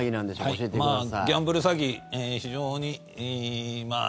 教えてください。